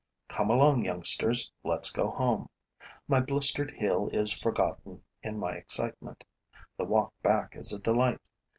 Come along, youngsters, let's go home. My blistered heel is forgotten in my excitement. The walk back is a delight.